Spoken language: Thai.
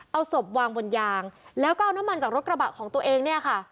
เอาศพวางบนยางแล้วก็เอาน้ำมันจากรถกระบะของตัวเองเนี่ยค่ะ